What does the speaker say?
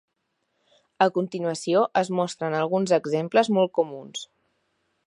A continuació es mostren alguns exemples molt comuns.